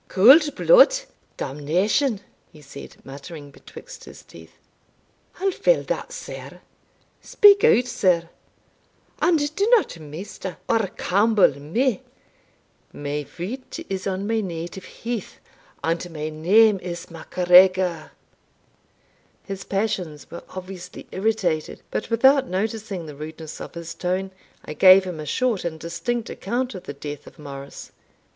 "Cold blood? Damnation!" he said, muttering betwixt his teeth "How fell that, sir? Speak out, sir, and do not Maister or Campbell me my foot is on my native heath, and my name is MacGregor!" His passions were obviously irritated; but without noticing the rudeness of his tone, I gave him a short and distinct account of the death of Morris.